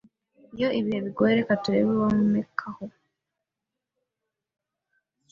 Iyo ibihe bigoye, reka turebe uwomekaho.